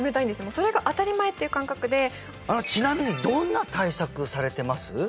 それが当たり前っていう感覚でちなみにどんな対策されてます？